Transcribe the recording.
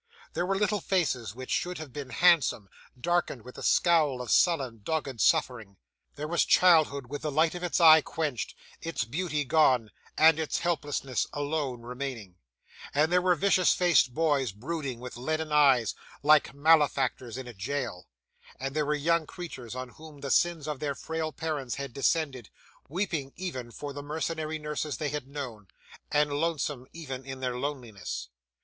There were little faces which should have been handsome, darkened with the scowl of sullen, dogged suffering; there was childhood with the light of its eye quenched, its beauty gone, and its helplessness alone remaining; there were vicious faced boys, brooding, with leaden eyes, like malefactors in a jail; and there were young creatures on whom the sins of their frail parents had descended, weeping even for the mercenary nurses they had known, and lonesome even in their loneliness.